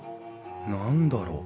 何だろう？